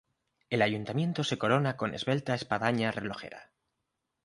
El Ayuntamiento se corona con esbelta espadaña relojera.